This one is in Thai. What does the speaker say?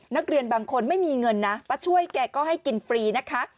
นักเรียนบางคนไม่มีเงินนะป้าช่วยแกก็ให้กินฟรีนะคะ